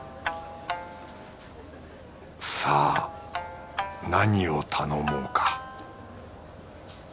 さぁ何を頼もうか